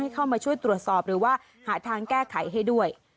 เข้ามาช่วยตรวจสอบหรือว่าหาทางแก้ไขให้ด้วย